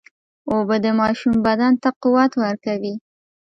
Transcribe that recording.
اوبه د ماشوم بدن ته قوت ورکوي.